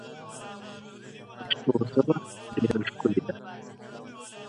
پښتو ژبه ډېره ښکلې ده.